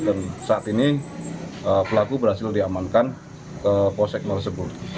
dan saat ini pelaku berhasil diamankan ke pos ekonomi tersebut